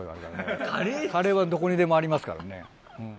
カレーはどこにでもありますからね。